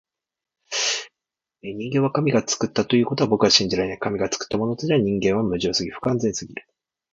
人間は神が創ったということは僕は信じられない。神が創ったものとしては人間は無情すぎ、不完全すぎる。しかし自然が生んだとしたら、あまりに傑作すぎるように思えるのだ。